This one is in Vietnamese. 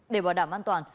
để bảo đảm an toàn